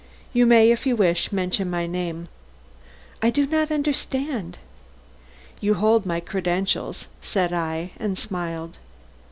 You may, if you wish, mention my name." "I do not understand." "You hold my credentials," I said and smiled.